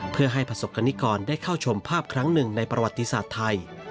เพื่อให้ประสบกรณิกรได้เข้าชมภาพครั้งหนึ่งในประวัติศาสตร์ไทย